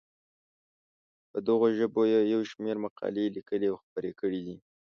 په دغو ژبو یې یو شمېر مقالې لیکلي او خپرې کړې دي.